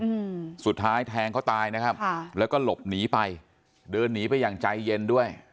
อืมสุดท้ายแทงเขาตายนะครับค่ะแล้วก็หลบหนีไปเดินหนีไปอย่างใจเย็นด้วย